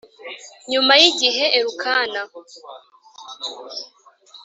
Nyuma y igihe elukana